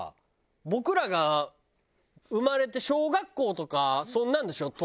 僕らが生まれて小学校とかそんなんでしょ？